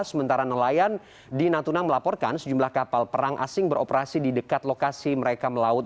sementara nelayan di natuna melaporkan sejumlah kapal perang asing beroperasi di dekat lokasi mereka melaut